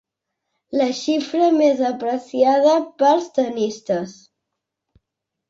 La xifra més apreciada pels tennistes.